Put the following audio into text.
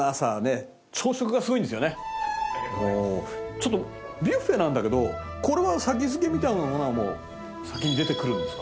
ちょっとビュッフェなんだけどこれは先付けみたいなものはもう先に出てくるんですか？